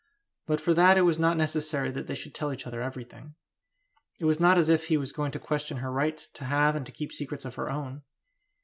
But for that it was not necessary that they should tell each other everything. It was not as if he was going to question her right to have and to keep secrets of her own.